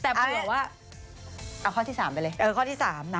เออข้อที่๓นะ